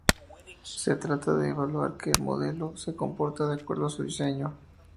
Se trata de evaluar que el modelo se comporta de acuerdo a su diseño.